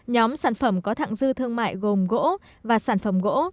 nhóm sản phẩm có thẳng dư thương mại gồm gỗ và sản phẩm gỗ